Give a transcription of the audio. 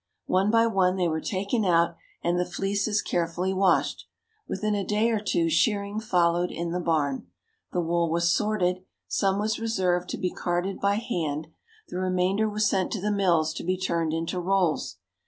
One by one they were taken out, and the fleeces carefully washed. Within a day or two, shearing followed in the barn. The wool was sorted; some was reserved to be carded by hand; the remainder was sent to the mills to be turned into rolls.